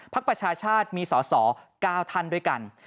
ภัครัชชาติมีสอดสอ๙ทันด้วยกัน